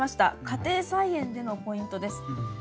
家庭菜園でのポイントです。